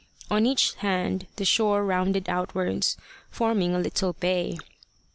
On each hand the shore rounded outwards, forming a little bay.